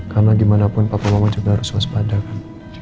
karena gimana pun papa mama juga harus waspada kan